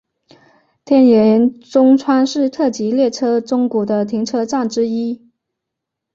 天盐中川是特急列车宗谷的停车站之一。